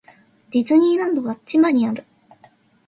ディズニーランドは千葉にある